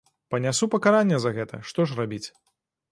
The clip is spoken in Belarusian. Панясу пакаранне за гэта, што ж рабіць.